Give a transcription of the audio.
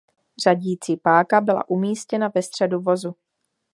Řadící páka byla umístěna ve středu vozu.